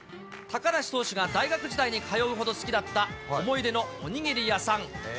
高梨投手が大学時代に通うほど好きだった思い出のおにぎり屋さん。